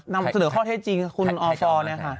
นำเสนอข้อเท็จจริงคูณอฟนะคะ